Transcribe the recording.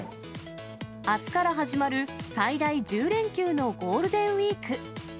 あすから始まる最大１０連休のゴールデンウィーク。